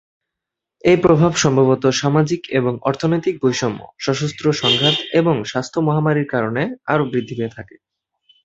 এই প্রভাব সম্ভবত সামাজিক এবং অর্থনৈতিক বৈষম্য, সশস্ত্র সংঘাত এবং স্বাস্থ্য মহামারীর কারণে আরো বৃদ্ধি পেয়ে থাকে।